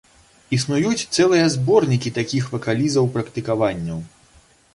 Існуюць цэлыя зборнікі такіх вакалізаў-практыкаванняў.